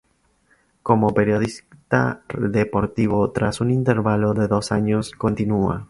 Como periodista deportivo, tras un intervalo de dos años, continúa.